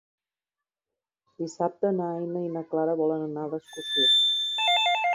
Dissabte na Nina i na Clara volen anar d'excursió.